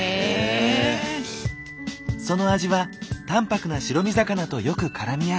その味は淡泊な白身魚とよく絡み合う。